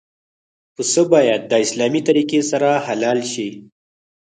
پسه باید د اسلامي طریقې سره حلال شي.